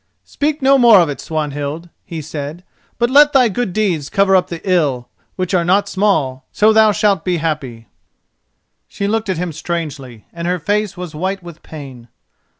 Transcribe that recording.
"Speak no more of it, Swanhild," he said, "but let thy good deeds cover up the ill, which are not small; so thou shalt be happy." She looked at him strangely, and her face was white with pain.